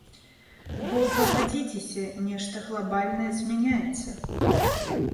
Бо, пагадзіцеся, нешта глабальна змяняецца.